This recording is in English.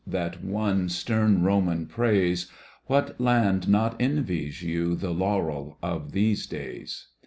That won stem Roman praise, What land not envies you The laurel of these days